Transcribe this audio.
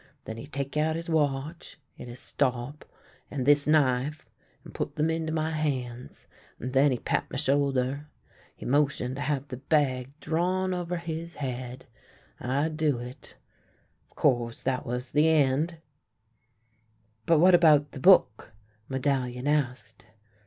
Then he take out his watch — it is stop — and this knife, and put them into my hands, and then he pat my shoulder. He motion to have the bag drawn over his head. I do it. ... Of course that was the end !"" But what about the book? " Medallion asked.